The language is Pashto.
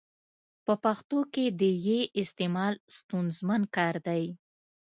په پښتو کي د ي استعمال ستونزمن کار دی.